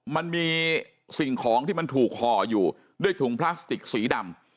มันมีสิ่งของที่มันถูกห่ออยู่ด้วยถุงพลาสติกสีดำ